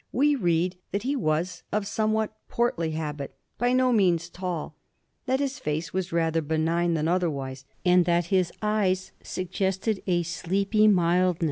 We read that he was of somewhat portly habit, by no means tall; that his face was rather benign than otherwise, and that his eyes suggested a sleepy mild 60 A HISTORY OF THE FOUR GEORGES. ch.